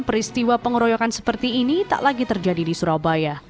peristiwa pengeroyokan seperti ini tak lagi terjadi di surabaya